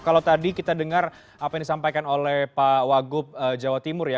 apa yang disampaikan oleh pak wagub jawa timur ya